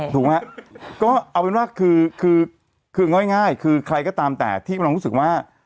ถูกไหมฮะก็เอาเป็นว่าคือคือง่ายคือใครก็ตามแต่ที่กำลังรู้สึกว่า